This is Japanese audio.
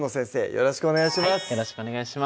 よろしくお願いします